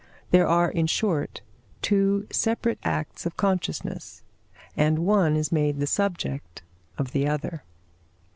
There are, in short, two separate acts of consciousness, and one is made the subject of the other.